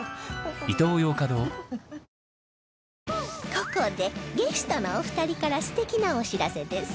ここでゲストのお二人から素敵なお知らせです